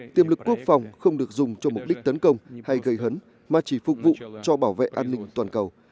tiềm lực quốc phòng không được dùng cho mục đích tấn công hay gây hấn mà chỉ phục vụ cho bảo vệ an ninh toàn cầu